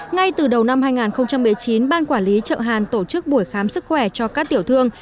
ngay từ đầu năm hai nghìn một mươi chín ban quản lý chợ hàn tổ chức buổi khám sức khỏe cho các tiểu thương